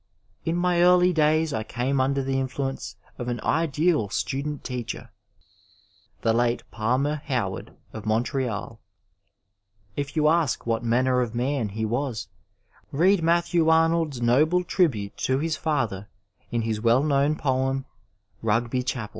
In my early days I came under the influence of an ideal student teacher, the late Pahner Howard, of Montreal. If you ask what manner of man he was, lead Matthew Arnold's noble tribute to his father in his well known poem, Rugby Chapd.